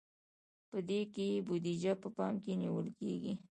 په دې کې بودیجه په پام کې نیول کیږي.